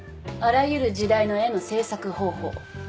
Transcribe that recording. あらゆる時代の絵の制作方法